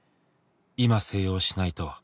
「今静養しないと」